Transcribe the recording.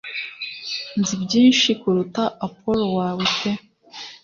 Nzi byinshi kuruta Apollo wawe pe